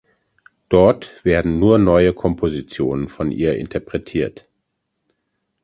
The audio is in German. Dort werden nur neue Kompositionen von ihr interpretiert.